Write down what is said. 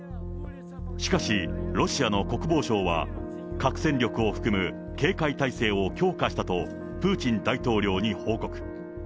しかしロシアの国防省は、核戦力を含む警戒態勢を強化したと、プーチン大統領に報告。